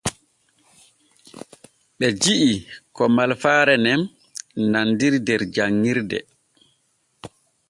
Ɓe ji’i ko malfaare nen nandiri der janɲirde.